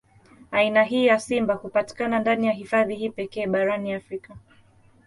Aina hii ya simba hupatikana ndani ya hifadhi hii pekee barani Afrika.